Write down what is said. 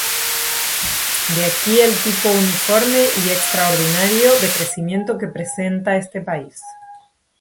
De aquí el tipo uniforme y extraordinario de crecimiento que presenta este país.